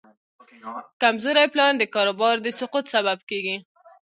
کمزوری پلان د کاروبار د سقوط سبب کېږي.